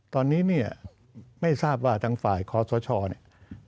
ตอนนี้เนี่ยไม่ทราบว่าทางฝ่ายคอสชเนี่ย